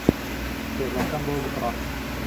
کتێبەکەم بۆ بکڕە.